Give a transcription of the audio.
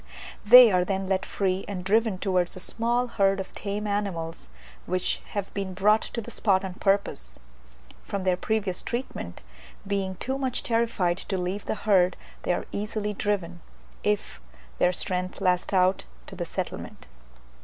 They are then let free and driven towards a small herd of tame animals, which have been brought to the spot on purpose. From their previous treatment, being too much terrified to leave the herd, they are easily driven, if their strength last out, to the settlement.